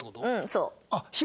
そう。